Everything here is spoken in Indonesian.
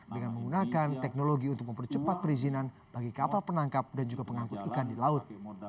dengan menggunakan teknologi untuk mempercepat perizinan bagi kapal penangkap dan juga pengangkut ikan di laut